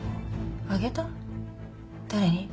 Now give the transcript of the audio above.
誰に？